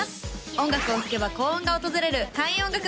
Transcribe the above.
音楽を聴けば幸運が訪れる開運音楽堂